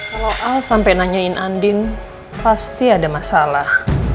kalau a sampai nanyain andin pasti ada masalah